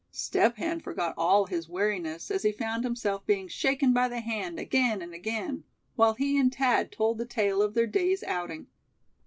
Step Hen forgot all his weariness as he found himself being shaken by the hand again and again, while he and Thad told the tale of their day's outing.